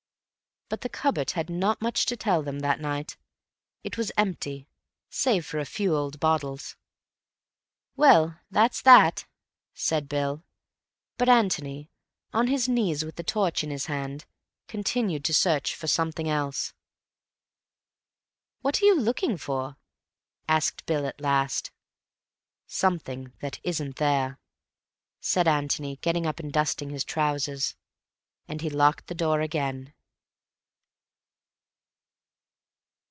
But the cupboard had not much to tell them that night. It was empty save for a few old bottles. "Well, that's that," said Bill. But Antony, on his knees with the torch in his hand, continued to search for something. "What are you looking for?" asked Bill at last. "Something that isn't there," said Antony, getting up and dusting his trousers. And he locked the door again.